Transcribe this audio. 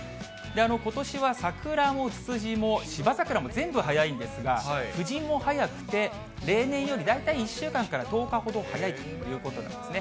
ことしは桜もツツジもシバザクラも全部早いんですが、藤も早くて、例年より大体１週間から１０日ほど早いということなんですね。